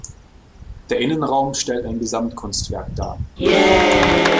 Der Innenraum stellt ein Gesamtkunstwerk dar.